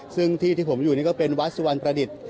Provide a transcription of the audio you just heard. ซึ่งที่ที่ผมอยู่นี่ก็เป็นวัดสุวรรณประดิษฐ์